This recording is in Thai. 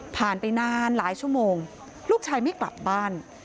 ไปนานหลายชั่วโมงลูกชายไม่กลับบ้าน